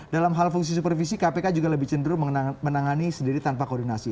dalam hal fungsi supervisi kpk juga lebih cenderung menangani sendiri tanpa koordinasi